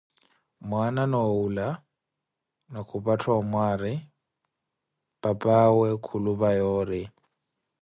Mwaana noowula ni khupattha omwari, papawe khulupa yoori.